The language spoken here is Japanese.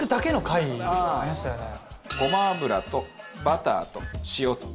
ごま油とバターと塩と。